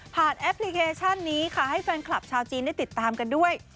แอปพลิเคชันนี้ค่ะให้แฟนคลับชาวจีนได้ติดตามกันด้วย